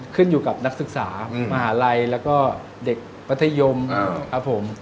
ขึ้นอยู่กับนักศึกษามหาลัยแล้วก็เด็กมัธยมครับผม